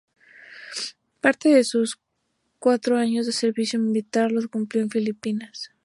Parte de sus cuatro años de servicio militar los cumplió en Filipinas.